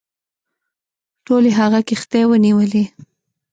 ټولي هغه کښتۍ ونیولې.